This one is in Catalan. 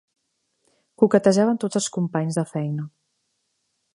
Coquetejava amb tots els companys de feina.